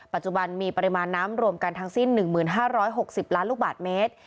ปัจจุบันมีปริมาณน้ำรวมกันทั้งสิ้น๑๕๖๐ล้านลูกบาทเมตร